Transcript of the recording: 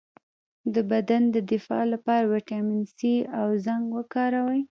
د بدن د دفاع لپاره ویټامین سي او زنک وکاروئ